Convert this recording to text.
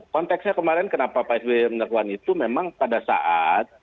konteksnya kemarin kenapa pak sby melakukan itu memang pada saat